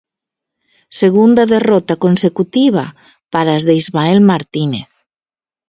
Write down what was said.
Segunda derrota consecutiva para as de Ismael Martínez.